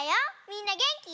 みんなげんき？